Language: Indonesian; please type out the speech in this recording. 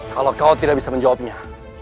kalau kau tidak bisa menjawabnya